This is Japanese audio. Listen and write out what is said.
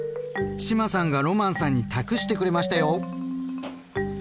志麻さんがロマンさんに託してくれましたよ！